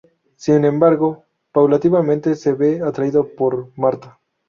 Sin embargo, paulatinamente, se ve atraído por Marta.